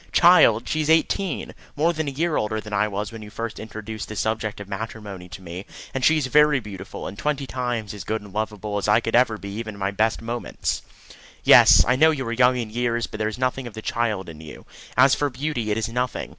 "Child! She is eighteen. More than a year older than I was when you first introduced the subject of matrimony to me, and she is very beautiful, and twenty times as good and lovable as I could ever be even in my best moments." "Yes, I know you are young in years, but there is nothing of the child in you. As for beauty, it is nothing.